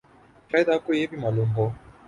شاید آپ کو یہ بھی معلوم ہو